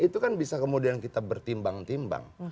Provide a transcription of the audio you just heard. itu kan bisa kemudian kita bertimbang timbang